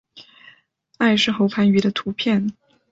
艾氏喉盘鱼的图片